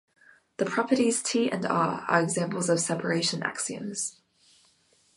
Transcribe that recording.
The properties T and R are examples of separation axioms.